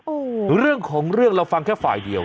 โอ้โหเรื่องของเรื่องเราฟังแค่ฝ่ายเดียว